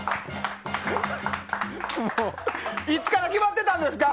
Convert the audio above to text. いつから決まってたんですか？